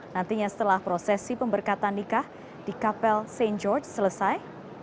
nantinya setelah prosesi pemberkatan nikah di kapel st george selesai